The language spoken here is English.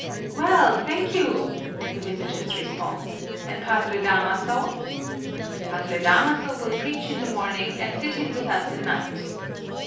"Well, thank you," the visitors respond, "and Padre Damaso?" "Padre Damaso will preach in the morning and sit in with us at night."